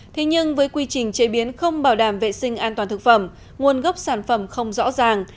thế nhưng với quy trình chế biến không bảo đảm vệ sinh an toàn thực phẩm nguồn gốc sản phẩm không rõ ràng